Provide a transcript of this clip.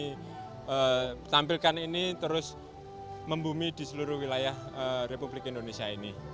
dan semoga rasa rasa nasionalisme seperti yang kami tampilkan ini terus membumi di seluruh wilayah republik indonesia